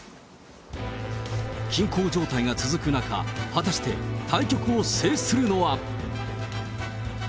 均衡状態が続く中、果たして対局を制するのは。